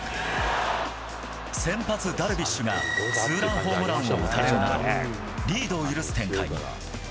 先発、ダルビッシュがツーランホームランを打たれ、リードを許す展開に。